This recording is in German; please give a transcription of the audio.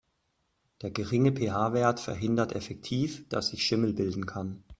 Der geringe PH-Wert verhindert effektiv, dass sich Schimmel bilden kann.